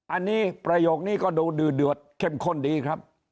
อันนี้ประโยคนี้ก็ดูดือเดือดเข้มข้นดีครับ